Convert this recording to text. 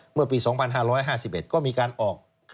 เมื่อปี๒๕๕๑ก็มีการออก